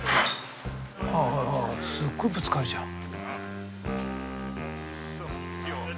ああすっごいぶつかるじゃん。